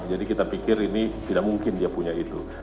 jadi kita pikir ini tidak mungkin dia punya itu